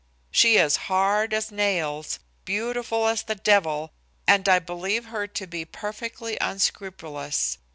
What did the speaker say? She is hard as nails, beautiful as the devil, and I believe her to be perfectly unscrupulous.